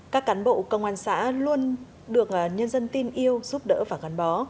các cán bộ công an xã luôn được nhân dân tin yêu giúp đỡ và gắn bó